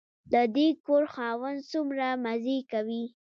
د دې کور خاوند څومره مزې کوي.